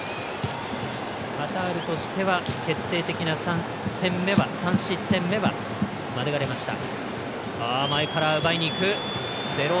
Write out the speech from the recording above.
カタールとしては決定的な３失点目は免れました。